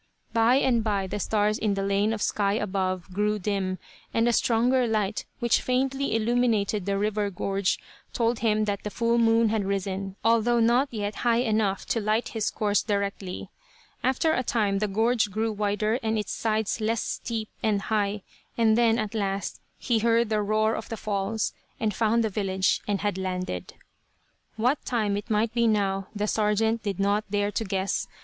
By and by the stars in the lane of sky above grew dim, and a stronger light, which faintly illuminated the river gorge, told him that the full moon had risen, although not yet high enough to light his course directly. After a time the gorge grew wider and its sides less steep and high; and then, at last, he heard the roar of the falls, and found the village, and had landed. What time it might be now the sergeant did not dare to guess.